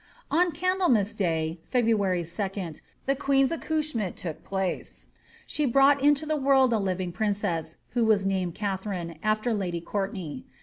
On GEmdlemas day (February 2), the queen's acconchement took place : she brought into the world a living princess, who was named Katharine, after lady Courtenay.